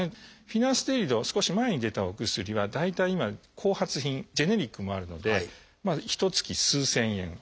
「フィナステリド」少し前に出たお薬は大体今後発品ジェネリックもあるのでひとつき数千円。